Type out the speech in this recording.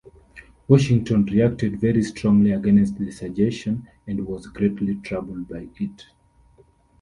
Washington reacted very strongly against the suggestion, and was greatly troubled by it.